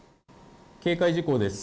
警戒事項です。